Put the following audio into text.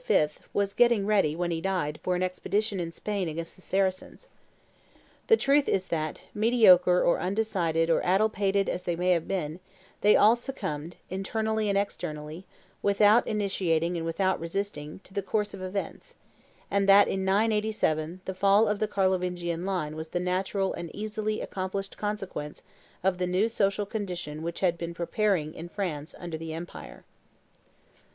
was getting ready, when he died, for an expedition in Spain against the Saracens. The truth is that, mediocre or undecided or addle pated as they may have been, they all succumbed, internally and externally, without initiating and without resisting, to the course of events, and that, in 987, the fall of the Carlovingian line was the natural and easily accomplished consequence of the new social condition which had been preparing in France under the empire.